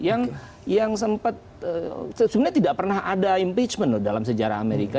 yang sempat sebenarnya tidak pernah ada impeachment dalam sejarah amerika